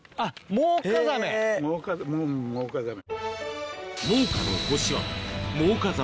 うんモウカザメ。